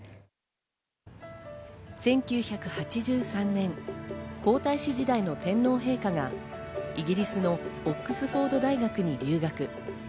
１９８３年、皇太子時代の天皇陛下がイギリスのオックスフォード大学に留学。